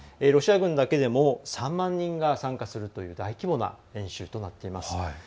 ロシア軍だけでも３万人が参加するという大規模な演習となっています。